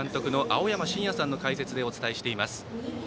青山眞也さんの解説でお伝えしています。